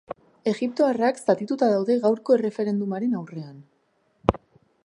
Egiptoarrak zatituta daude gaurko erreferendumaren aurrean.